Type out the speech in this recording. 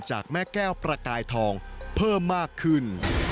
จากแม่แก้วประกายทองเพิ่มมากขึ้น